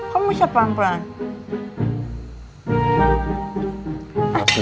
kamu siap pelan pelan